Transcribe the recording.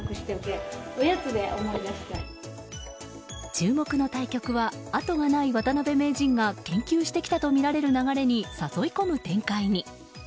注目の対局はあとがない渡辺名人が研究してきたとみられる流れに誘い込む展開に。